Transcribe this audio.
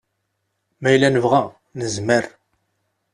Ma yella nebɣa, nezmer.